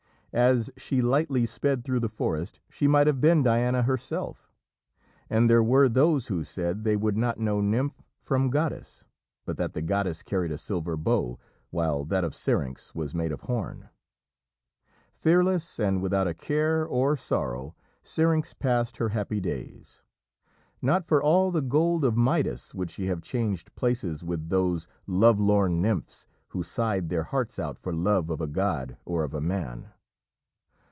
As she lightly sped through the forest she might have been Diana herself, and there were those who said they would not know nymph from goddess, but that the goddess carried a silver bow, while that of Syrinx was made of horn. Fearless, and without a care or sorrow, Syrinx passed her happy days. Not for all the gold of Midas would she have changed places with those love lorn nymphs who sighed their hearts out for love of a god or of a man.